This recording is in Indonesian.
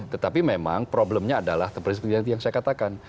tetapi memang problemnya adalah seperti yang saya katakan